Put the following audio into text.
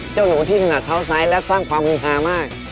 เจ้าหนูที่ถึงอาจเท้าซ้ายและสร้างความอุงหามาก